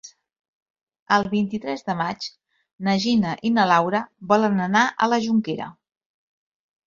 El vint-i-tres de maig na Gina i na Laura volen anar a la Jonquera.